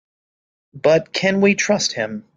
But can we trust him?